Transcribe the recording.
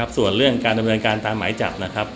ส่วนเรื่องการดำเนินการตามหมายจับนะครับ